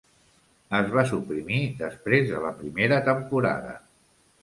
Es va suprimir després de la primera temporada.